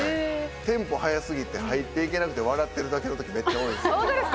テンポ速すぎて入っていけなくて、笑ってるだけのとき、めっちゃ多本当ですか？